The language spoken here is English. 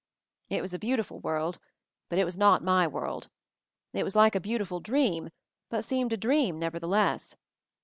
It was a beautiful world, but it was not my world. It was like a beautiful dream, but seemed a dream nevertheless.